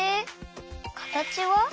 かたちは？